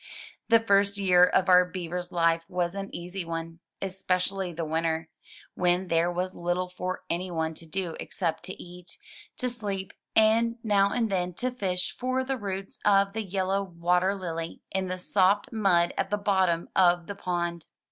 The first year of our Beaver's life was an easy one, especially the winter, when there was little for anyone to do except to eat, to sleep, and now and then to fish for the roots of the yellow water lily in the soft mud at the bottom of the pond.